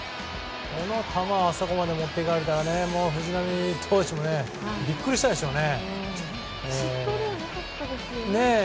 この球をあそこまで持っていかれたらねもう、藤浪投手もビックリしたでしょうね。